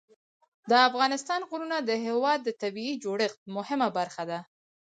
د افغانستان غرونه د هېواد د طبیعي جوړښت مهمه برخه ده.